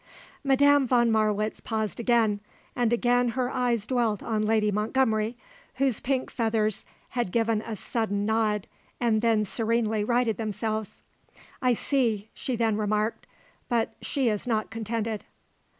Madame von Marwitz paused again, and again her eyes dwelt on Lady Montgomery, whose pink feathers had given a sudden nod and then serenely righted themselves. "I see," she then remarked. "But she is not contented."